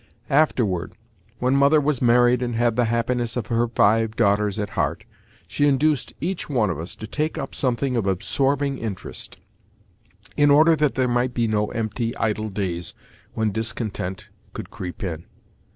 Afterward, when mother was married and had the happiness of her five daughters at heart, she induced each one of us to take up something of absorbing interest, in order that there might be no empty, idle days when discontent could creep in.